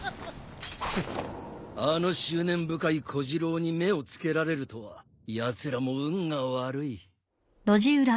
フッあの執念深い小次郎に目を付けられるとはやつらも運が悪い。